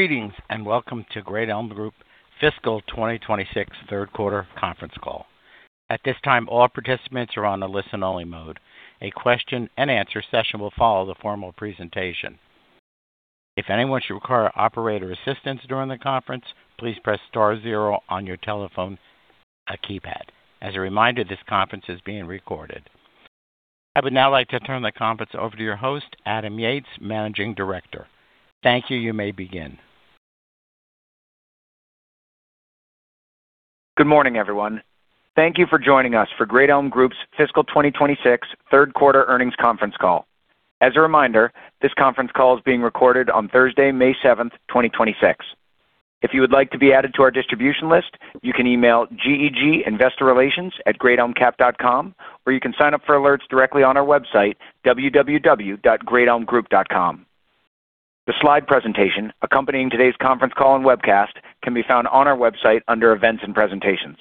Greetings, and welcome to Great Elm Group Fiscal 2026 Third Quarter Conference Call. At this time, all participants are on a listen-only mode. A question-and-answer session will follow the formal presentation. If anyone should require operator assistance during the conference, please press star 0 on your telephone keypad. As a reminder, this conference is being recorded. I would now like to turn the conference over to your host, Adam Yates, Managing Director. Thank you. You may begin. Good morning, everyone. Thank you for joining us for Great Elm Group's Fiscal 2026 Third Quarter Earnings Conference Call. As a reminder, this conference call is being recorded on Thursday, May 7, 2026. If you would like to be added to our distribution list, you can email geginvestorrelations@greatelmcap.com, or you can sign up for alerts directly on our website, www.greatelmgroup.com. The slide presentation accompanying today's conference call and webcast can be found on our website under Events and Presentations.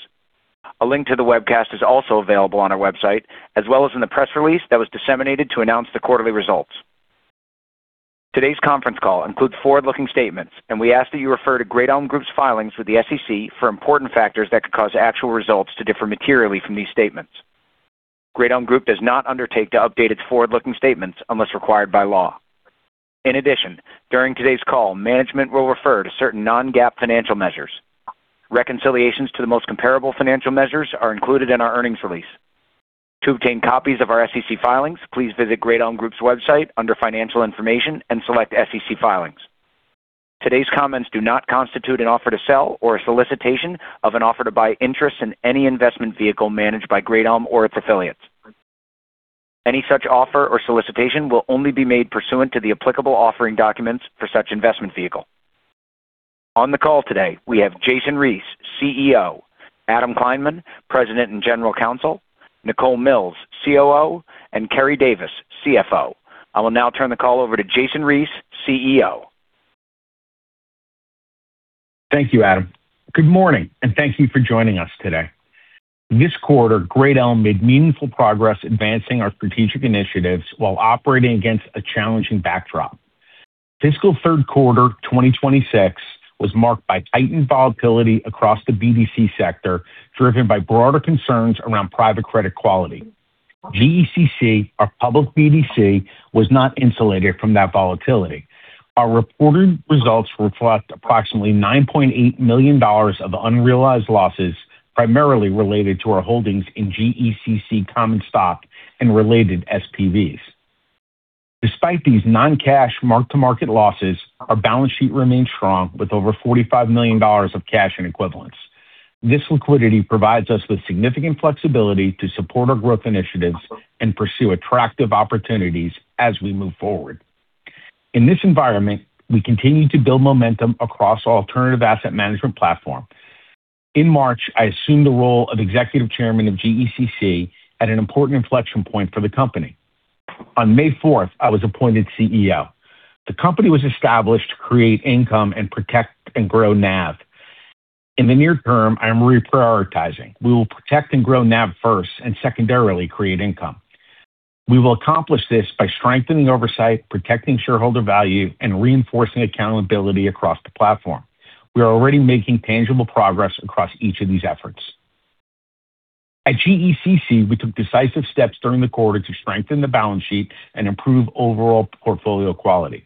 A link to the webcast is also available on our website, as well as in the press release that was disseminated to announce the quarterly results. Today's conference call includes forward-looking statements, and we ask that you refer to Great Elm Group's filings with the SEC for important factors that could cause actual results to differ materially from these statements. Great Elm Group does not undertake to update its forward-looking statements unless required by law. In addition, during today's call, management will refer to certain non-GAAP financial measures. Reconciliations to the most comparable financial measures are included in our earnings release. To obtain copies of our SEC filings, please visit Great Elm Group's website under Financial Information and select SEC Filings. Today's comments do not constitute an offer to sell or a solicitation of an offer to buy interests in any investment vehicle managed by Great Elm or its affiliates. Any such offer or solicitation will only be made pursuant to the applicable offering documents for such investment vehicle. On the call today, we have Jason Reese, CEO, Adam Kleinman, President and General Counsel, Nichole Milz, COO, and Keri Davis, CFO. I will now turn the call over to Jason Reese, CEO. Thank you, Adam. Good morning and thank you for joining us today. This quarter, Great Elm made meaningful progress advancing our strategic initiatives while operating against a challenging backdrop. Fiscal third quarter 2026 was marked by heightened volatility across the BDC sector, driven by broader concerns around private credit quality. GECC, our public BDC, was not insulated from that volatility. Our reported results reflect approximately $9.8 million of unrealized losses, primarily related to our holdings in GECC common stock and related SPVs. Despite these non-cash mark-to-market losses, our balance sheet remains strong with over $45 million of cash and equivalents. This liquidity provides us with significant flexibility to support our growth initiatives and pursue attractive opportunities as we move forward. In this environment, we continue to build momentum across our alternative asset management platform. In March, I assumed the role of Executive Chairman of GECC at an important inflection point for the company. On May fourth, I was appointed CEO. The company was established to create income and protect and grow NAV. In the near term, I am reprioritizing. We will protect and grow NAV first and secondarily create income. We will accomplish this by strengthening oversight, protecting shareholder value, and reinforcing accountability across the platform. We are already making tangible progress across each of these efforts. At GECC, we took decisive steps during the quarter to strengthen the balance sheet and improve overall portfolio quality.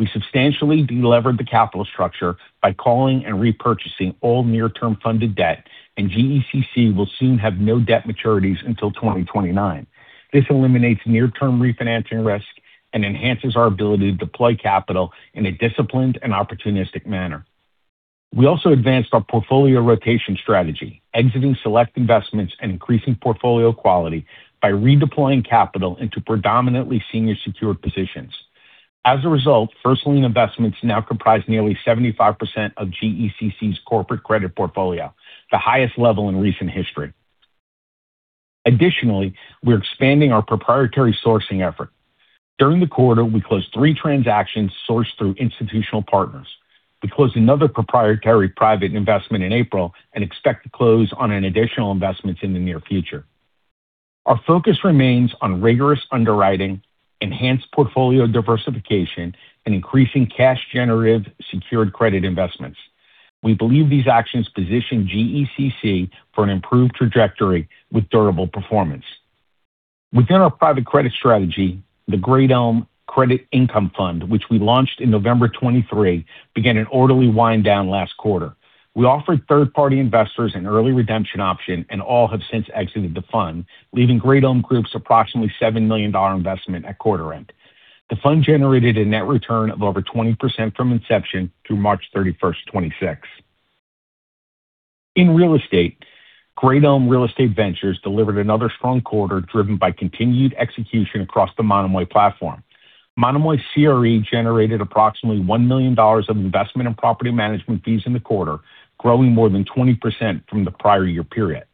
We substantially delevered the capital structure by calling and repurchasing all near-term funded debt, and GECC will soon have no debt maturities until 2029. This eliminates near-term refinancing risk and enhances our ability to deploy capital in a disciplined and opportunistic manner. We also advanced our portfolio rotation strategy, exiting select investments and increasing portfolio quality by redeploying capital into predominantly senior secured positions. As a result, first lien investments now comprise nearly 75% of GECC's corporate credit portfolio, the highest level in recent history. Additionally, we're expanding our proprietary sourcing effort. During the quarter, we closed 3 transactions sourced through institutional partners. We closed another proprietary private investment in April and expect to close on an additional investments in the near future. Our focus remains on rigorous underwriting, enhanced portfolio diversification, and increasing cash generative secured credit investments. We believe these actions position GECC for an improved trajectory with durable performance. Within our private credit strategy, the Great Elm Credit Income Fund, which we launched in November 2023, began an orderly wind down last quarter. We offered third-party investors an early redemption option, All have since exited the fund, leaving Great Elm Group's approximately $7 million investment at quarter end. The fund generated a net return of over 20% from inception through March 31, 2026. In real estate, Great Elm Real Estate Ventures delivered another strong quarter, driven by continued execution across the Monomoy platform. Monomoy CRE generated approximately $1 million of investment and property management fees in the quarter, growing more than 20% from the prior year period.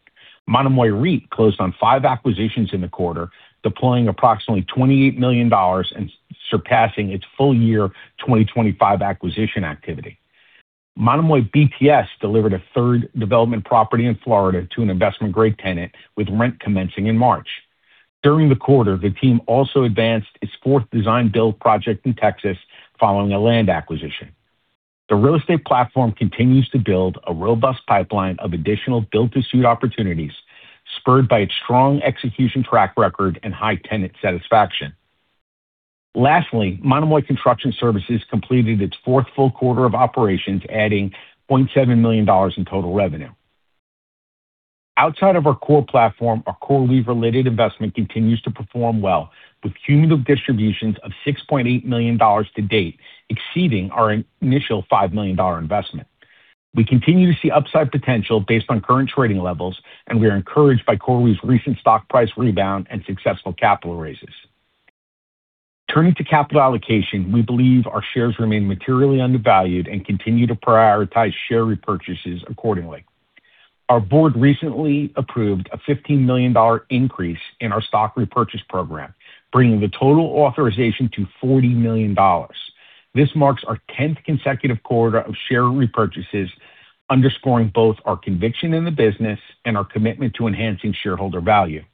Monomoy REIT closed on 5 acquisitions in the quarter, deploying approximately $28 million and surpassing its full year 2025 acquisition activity. Monomoy BTS delivered a third development property in Florida to an investment-grade tenant with rent commencing in March. During the quarter, the team also advanced its fourth design build project in Texas following a land acquisition. The real estate platform continues to build a robust pipeline of additional build-to-suit opportunities, spurred by its strong execution track record and high tenant satisfaction. Lastly, Monomoy Construction Services completed its fourth full quarter of operations, adding $0.7 million in total revenue. Outside of our core platform, our CoreWeave related investment continues to perform well with cumulative distributions of $6.8 million to date, exceeding our initial $5 million investment. We continue to see upside potential based on current trading levels, and we are encouraged by CoreWeave's recent stock price rebound and successful capital raises. Turning to capital allocation, we believe our shares remain materially undervalued and continue to prioritize share repurchases accordingly. Our board recently approved a $15 million increase in our stock repurchase program, bringing the total authorization to $40 million. This marks our 10th consecutive quarter of share repurchases, underscoring both our conviction in the business and our commitment to enhancing shareholder value.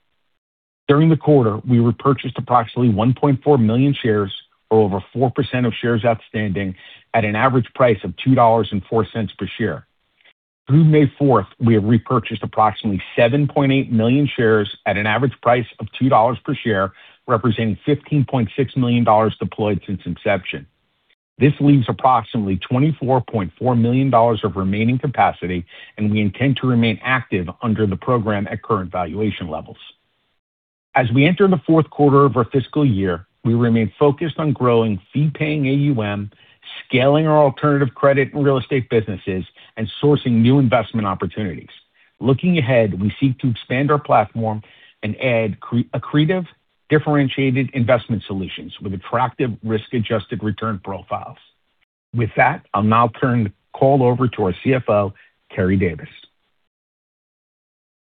During the quarter, we repurchased approximately 1.4 million shares, or over 4% of shares outstanding, at an average price of $2.04 per share. Through May 4th, we have repurchased approximately 7.8 million shares at an average price of $2 per share, representing $15.6 million deployed since inception. This leaves approximately $24.4 million of remaining capacity, and we intend to remain active under the program at current valuation levels. As we enter the fourth quarter of our fiscal year, we remain focused on growing fee-paying AUM, scaling our alternative credit and real estate businesses, and sourcing new investment opportunities. Looking ahead, we seek to expand our platform and add accretive, differentiated investment solutions with attractive risk-adjusted return profiles. With that, I'll now turn the call over to our CFO, Keri Davis.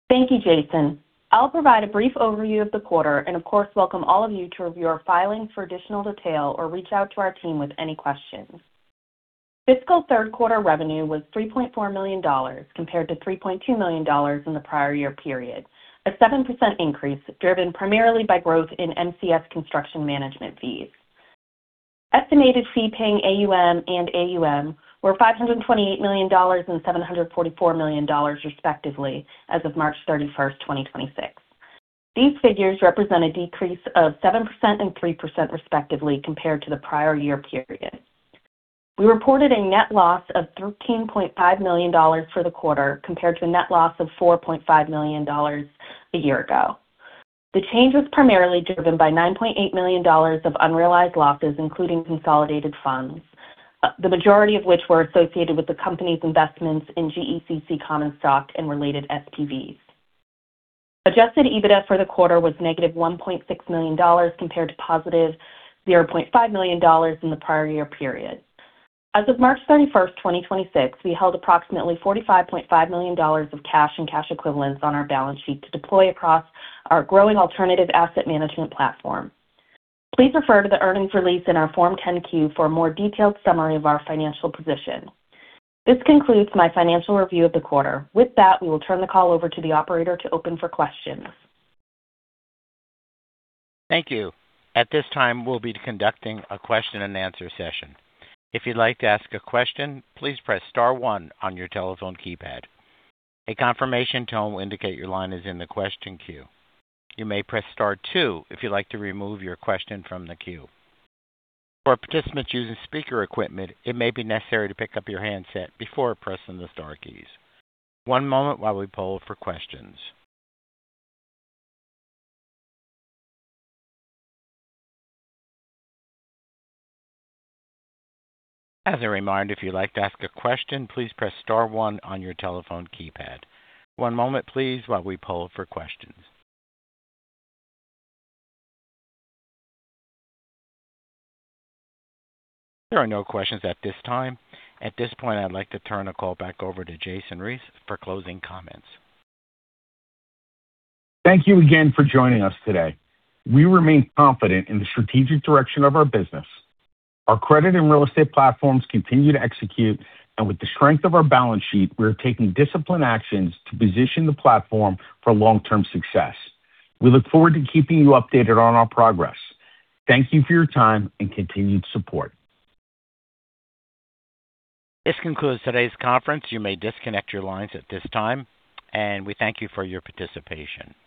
Thank you, Jason Reese. I'll provide a brief overview of the quarter and of course, welcome all of you to review our filings for additional detail or reach out to our team with any questions. Fiscal third quarter revenue was $3.4 million compared to $3.2 million in the prior year period. A 7% increase driven primarily by growth in MCS construction management fees. Estimated fee-paying AUM and AUM were $528 million and $744 million, respectively, as of March 31, 2026. These figures represent a decrease of 7% and 3%, respectively, compared to the prior year period. We reported a net loss of $13.5 million for the quarter, compared to a net loss of $4.5 million a year ago. The change was primarily driven by $9.8 million of unrealized losses, including consolidated funds, the majority of which were associated with the company's investments in GECC common stock and related SPVs. Adjusted EBITDA for the quarter was -$1.6 million compared to $0.5 million in the prior year period. As of March 31, 2026, we held approximately $45.5 million of cash and cash equivalents on our balance sheet to deploy across our growing alternative asset management platform. Please refer to the earnings release in our Form 10-Q for a more detailed summary of our financial position. This concludes my financial review of the quarter. With that, we will turn the call over to the operator to open for questions. Thank you. At this time, we'll be conducting a question-and-answer session. If you'd like to ask a question, please press star one on your telephone keypad. A confirmation tone will indicate your line is in the question queue. You may press star two if you'd like to remove your question from the queue. For participants using speaker equipment, it may be necessary to pick up your handset before pressing the star keys. As a reminder, if you'd like to ask a question, please press star one on your telephone keypad. There are no questions at this time. At this point, I'd like to turn the call back over to Jason Reese for closing comments. Thank you again for joining us today. We remain confident in the strategic direction of our business. Our credit and real estate platforms continue to execute. With the strength of our balance sheet, we are taking disciplined actions to position the platform for long-term success. We look forward to keeping you updated on our progress. Thank you for your time and continued support. This concludes today's conference. You may disconnect your lines at this time, and we thank you for your participation.